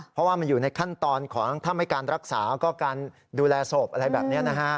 เพราะว่ามันอยู่ในขั้นตอนของถ้าไม่การรักษาก็การดูแลศพอะไรแบบนี้นะฮะ